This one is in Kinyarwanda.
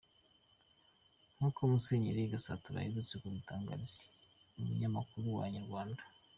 Nkuko Musenyeri Gasatura aherutse kubitangariza umunyamakuru wa Inyarwanda.